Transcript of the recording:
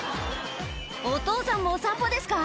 お父さんもお散歩ですか？